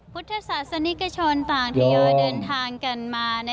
พุทธศาสนิกชนต่างทยอยเดินทางกันมา